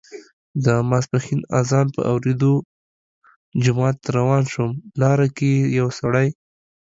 د ماسپښین اذان په اوریدا جومات ته روان شو، لاره کې یې یو سړی